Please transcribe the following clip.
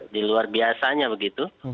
di luar biasanya begitu